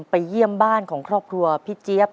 เยี่ยมบ้านของครอบครัวพี่เจี๊ยบ